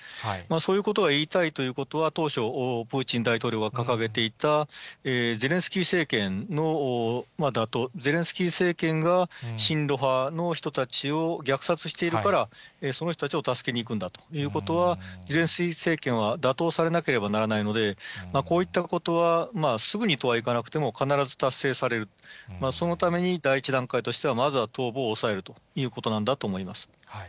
そういうことが言いたいということは、当初、プーチン大統領は掲げていた、ゼレンスキー政権が親ロ派の人たちを虐殺しているから、その人たちを助けに行くんだということは、ゼレンスキー政権は、打倒されなければならないので、こういったことはすぐにとはいかなくても必ず達成される、そのために、第１段階としては、まずは東部を押さえるということなんだと思います。